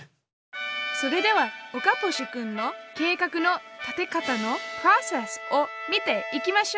それでは岡星くんの「計画の立て方のプロセス」を見ていきましょう。